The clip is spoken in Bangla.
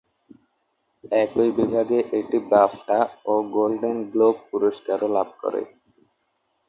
একই বিভাগে এটি বাফটা ও গোল্ডেন গ্লোব পুরস্কারও লাভ করে।